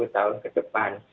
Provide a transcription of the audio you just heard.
sepuluh tahun ke depan